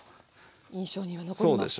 印象には残りますけども。